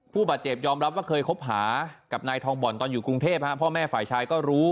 ผู้บาดเจ็บยอมรับว่าเคยคบหากับนายทองบ่อนตอนอยู่กรุงเทพพ่อแม่ฝ่ายชายก็รู้